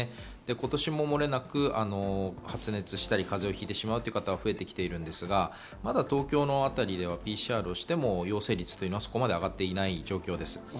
今年ももれなく発熱したり風邪をひいてしまったという方が増えてきているんですが、まだ東京の辺りはＰＣＲ検査をしても陽性率がそれほど上がっていない状況です。